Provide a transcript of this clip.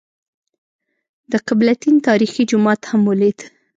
د قبله تین تاریخي جومات هم ولېد.